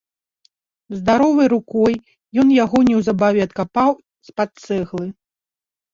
Здаровай рукой ён яго неўзабаве адкапаў з-пад цэглы.